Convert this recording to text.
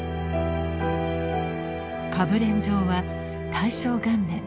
歌舞練場は大正元年